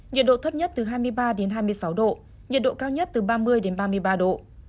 nhiệt độ thấp nhất từ hai mươi ba đến hai mươi sáu độ nhiệt độ cao nhất từ ba mươi ba mươi ba độ